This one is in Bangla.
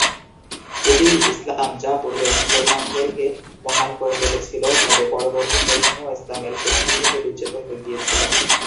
এটিই ইসলাম যা পূর্বের মুসলমানদেরকে মহান করে তুলেছিল তবে পরবর্তী প্রজন্ম ইসলামের শিক্ষা থেকে বিচ্যুত হয়ে গিয়েছিল।